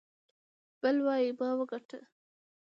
بل وايي ما وګاټه.